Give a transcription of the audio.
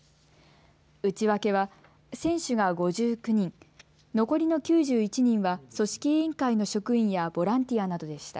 内訳は選手が５９人、残りの９１人は組織委員会の職員やボランティアなどでした。